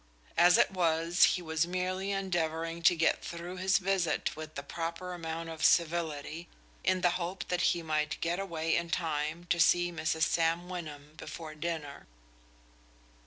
As it was, he was merely endeavoring to get through his visit with a proper amount of civility, in the hope that he might get away in time to see Mrs. Sam Wyndham before dinner.